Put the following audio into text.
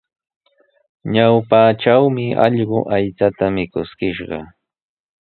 Ñawpatrawmi allqu aychata mikuskishqa.